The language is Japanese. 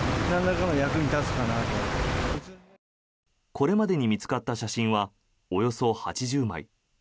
これまでに見つかった写真はおよそ８０枚。